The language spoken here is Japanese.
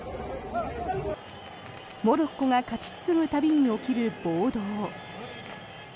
モロッコが勝ち進む度に起こる暴動。